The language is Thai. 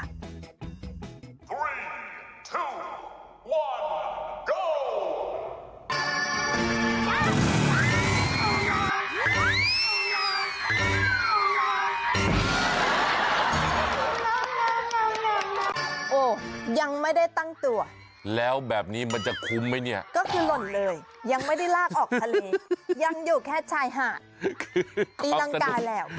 โอ้โหยังไม่ได้ตั้งตัวแล้วแบบนี้มันจะคุ้มไหมเนี่ยก็คือหล่นเลยยังไม่ได้ลากออกทะเลยังอยู่แค่ชายหาดตีรังกายแล้ว